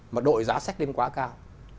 mà đội giá sách lên quá cao